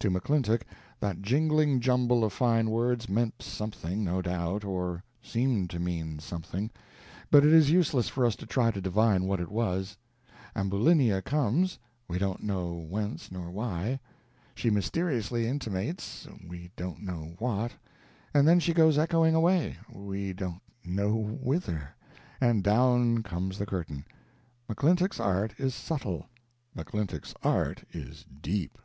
To McClintock that jingling jumble of fine words meant something, no doubt, or seemed to mean something; but it is useless for us to try to divine what it was. Ambulinia comes we don't know whence nor why; she mysteriously intimates we don't know what; and then she goes echoing away we don't know whither; and down comes the curtain. McClintock's art is subtle; McClintock's art is deep.